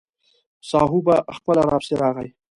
ساهو به خپله راپسې راغی.